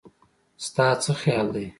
ستا څه خيال دی